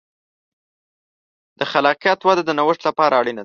د خلاقیت وده د نوښت لپاره اړینه ده.